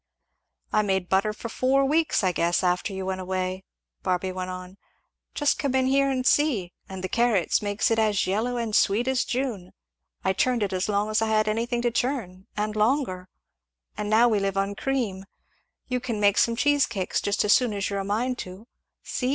"I made butter for four weeks, I guess, after you went away," Barby went on; "just come in here and see and the carrots makes it as yellow and sweet as June I churned as long as I had anything to churn, and longer; and now we live on cream you can make some cheesecakes just as soon as you're a mind to, see!